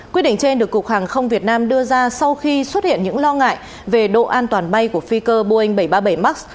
quyết định trên được cục hàng không việt nam đưa ra sau khi xuất hiện những lo ngại về độ an toàn bay của fico boeing bảy trăm ba mươi bảy max